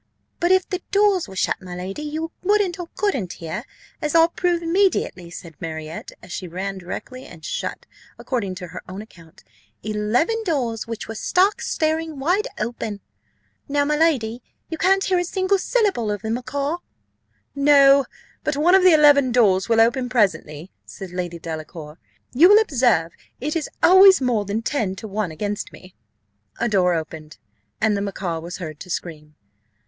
"But if the doors were shut, my lady, you wouldn't or couldn't hear as I'll prove immediately," said Marriott, and she ran directly and shut, according to her own account, "eleven doors which were stark staring wide open." "Now, my lady, you can't hear a single syllable of the macaw." "No, but one of the eleven doors will open presently," said Lady Delacour: "you will observe it is always more than ten to one against me." A door opened, and the macaw was heard to scream.